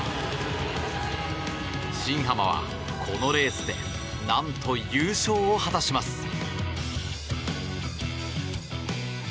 新濱は、このレースで何と優勝を果たします。